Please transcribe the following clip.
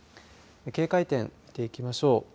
警戒点を見ていきましょう。